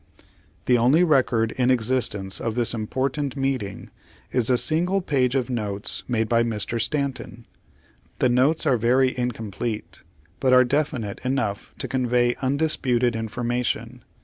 The only record in existence of this important meeting is a single page of notes made by Mr. Stanton. The notes are very incomplete, but are definite enough to convey undisputed information.